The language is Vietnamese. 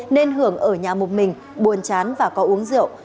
nên hưởng ở nhà một mình buồn chán và có uống rượu